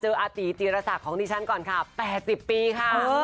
อาตีจีรศักดิ์ของดิฉันก่อนค่ะ๘๐ปีค่ะ